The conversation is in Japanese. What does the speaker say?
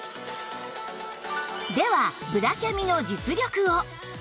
ではブラキャミの実力を